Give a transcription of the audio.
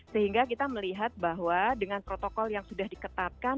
sehingga kita melihat bahwa dengan protokol yang sudah diketatkan